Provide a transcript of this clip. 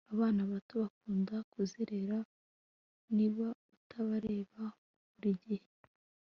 abana bato bakunda kuzerera niba utabareba buri gihe